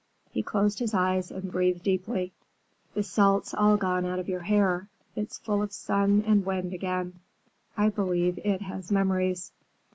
He closed his eyes and breathed deeply. "The salt's all gone out of your hair. It's full of sun and wind again. I believe it has memories."